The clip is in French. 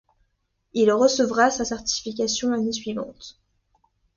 Il recevra sa certification l'année suivante.